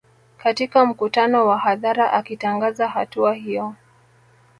Katika mkutano wa hadhara akitangaza hatua hiyo